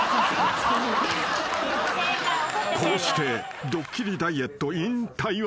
［こうしてドッキリダイエットｉｎ台湾］